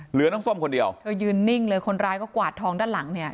เหลือน้องส้มคนเดียวเธอยืนนิ่งเลยคนร้ายก็กวาดทองด้านหลังเนี่ย